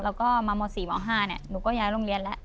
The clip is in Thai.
แล้วก็มาม๔ม๕หนูก็ย้ายโรงเรียนแล้ว